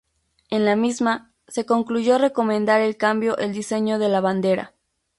En la misma, se concluyó recomendar el cambio el diseño de la bandera.